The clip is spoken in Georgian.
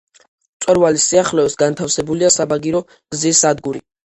მწვერვალის სიახლოვეს განთავსებულია საბაგირო გზის სადგური.